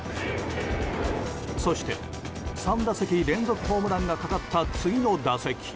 そして、３打席連続ホームランがかかった次の打席。